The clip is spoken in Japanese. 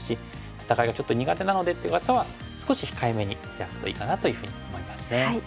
戦いがちょっと苦手なのでっていう方は少し控えめにヒラくといいかなというふうに思いますね。